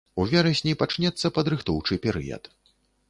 У верасні пачнецца падрыхтоўчы перыяд.